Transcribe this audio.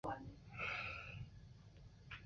强拍是每小节第一拍。